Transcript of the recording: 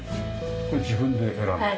これ自分で選んで？